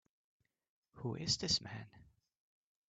Who is this man?